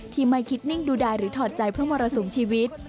ไม่คิดนิ่งดูดายหรือถอดใจเพราะมรสุมชีวิต